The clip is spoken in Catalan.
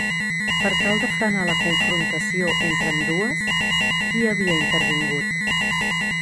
Per tal de frenar la confrontació entre ambdues, qui havia intervingut?